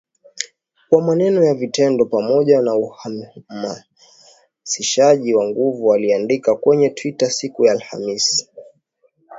Kwa maneno na vitendo, pamoja na uhamasishaji wa nguvu aliandika kwenye Twitter siku ya Alhamisi